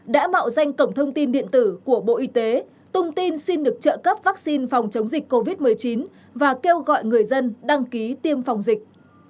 đã mạo danh cổng thông tin điện tử của bộ y tế tung tin xin được trợ cấp vaccine phòng chống dịch covid một mươi chín và kêu gọi người dân đăng ký tiêm phòng dịch